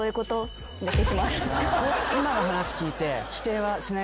今の話聞いて。